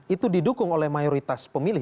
itu didukung oleh mayoritas pemilih